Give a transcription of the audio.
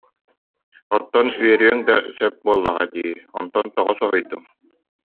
Оттон үөрүөн да сөп буоллаҕа дии, онтон тоҕо соһуйдуҥ